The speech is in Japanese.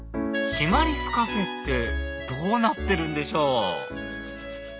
シマリスカフェってどうなってるんでしょう？